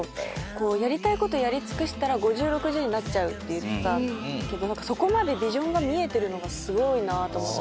やりたいことやり尽くしたら５０６０になっちゃうって言ってたけどそこまでビジョンが見えてるのがすごいなと思って。